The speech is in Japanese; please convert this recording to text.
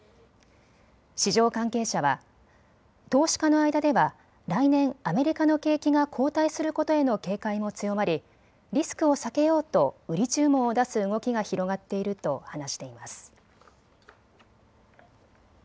市場関係者は、投資家の間では来年、アメリカの景気が後退することへの警戒も強まりリスクを避けようと売り注文を出す動きが広がっていると話しています。